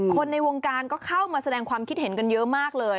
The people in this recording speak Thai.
คนในวงการก็เข้ามาแสดงความคิดเห็นกันเยอะมากเลย